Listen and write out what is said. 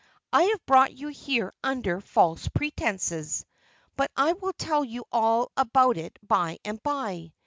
I have brought you here under false pretences. But I will tell you all about it by and by.